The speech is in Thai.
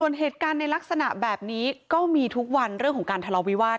ส่วนเหตุการณ์ในลักษณะแบบนี้ก็มีทุกวันเรื่องของการทะเลาวิวาส